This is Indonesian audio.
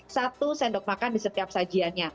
satu sendok makan di setiap sajiannya